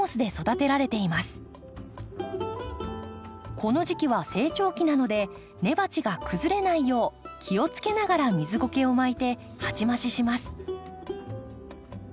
この時期は成長期なので根鉢が崩れないよう気をつけながら水ゴケを巻いて鉢増しします。